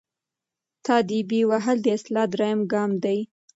تاديبي وهل د اصلاح دریم ګام دی.